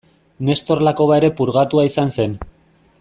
Nestor Lakoba ere purgatua izan zen.